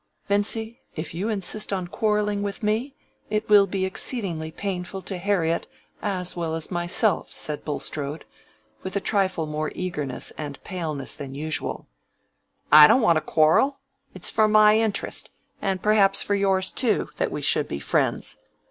"Vincy, if you insist on quarrelling with me, it will be exceedingly painful to Harriet as well as myself," said Mr. Bulstrode, with a trifle more eagerness and paleness than usual. "I don't want to quarrel. It's for my interest—and perhaps for yours too—that we should be friends.